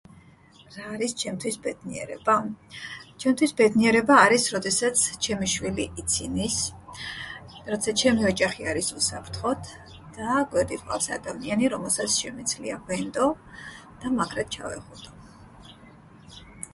რა არის ჩემთვის ბედნიერება? ჩემთვის ბედნიერება არის როდესაც ჩემი შვილი იცინის, როცა ჩემი ოჯახი არის უსაფრთხოდ და გვერდით მყავს ადამიან, რომელსაც შემიძლია ვენდო და მაგრად ჩავეხუტო.